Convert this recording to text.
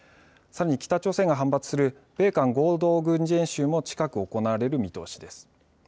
さらに北朝鮮が反発する米韓合同軍事演習も近く行われる見通しです。